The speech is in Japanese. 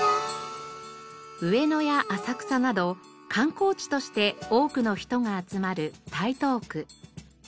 上野や浅草など観光地として多くの人が集まる台東区。